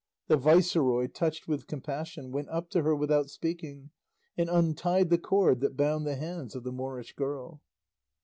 The viceroy, touched with compassion, went up to her without speaking and untied the cord that bound the hands of the Moorish girl.